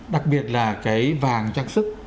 đặc biệt là cái vàng trang sức